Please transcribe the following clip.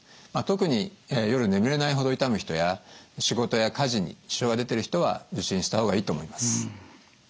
特に夜眠れないほど痛む人や仕事や家事に支障が出てる人は受診した方がいいと思います。